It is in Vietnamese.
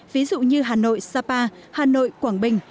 ví dụ như hà nội sapa hà nội quảng bình